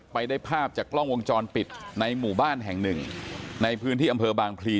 ได้ภาพจากกล้องวงจรปิดในหมู่บ้านแห่งหนึ่งในพื้นที่อำเภอบางพลี